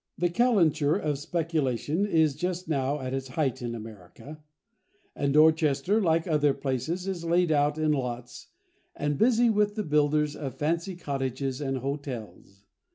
The calenture of speculation is just now at its height in America; and Dorchester, like other places, is laid out in lots, and busy with the builders of fancy cottages and hotels.